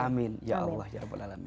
amin ya allah ya